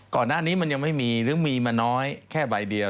ก่อนหน้านี้มันยังไม่มีหรือมีมาน้อยแค่ใบเดียว